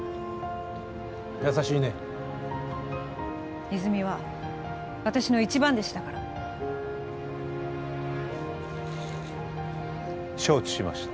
優しいね泉は私の一番弟子だから承知しました